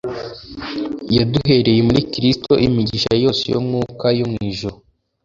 yaduhereye muri Kristo imigisha yose y'umwuka yo mu Ijuru: